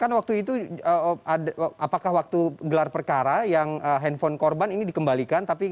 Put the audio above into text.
kan waktu itu apakah waktu gelar perkara yang handphone korban ini dikembalikan